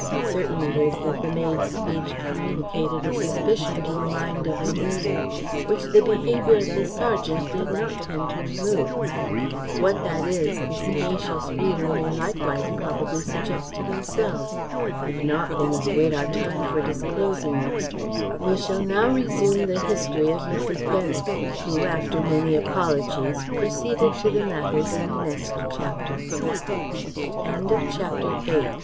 Certain it is that the maid's speech communicated a suspicion to the mind of Amelia which the behaviour of the serjeant did not tend to remove: what that is, the sagacious readers may likewise probably suggest to themselves; if not, they must wait our time for disclosing it. We shall now resume the history of Mrs. Bennet, who, after many apologies, proceeded to the matters in the next chapter. Chapter ix. _The conclusion of Mrs. Bennet's history.